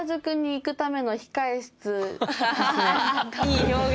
いい表現。